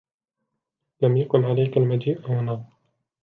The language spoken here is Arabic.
لم يكن عليك المجيء هنا.